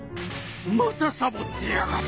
またサボってやがる。